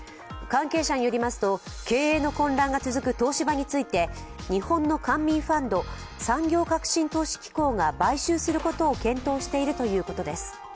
関係者によりますと経営の混乱が続く東芝について日本の官民ファンド、産業革新投資機構が買収することを検討しているということです。